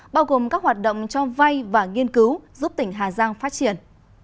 bao gồm các hoạt động cho vay và nghiên cứu giúp tỉnh hà giang phát triển